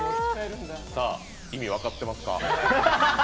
さあ、意味分かってますか？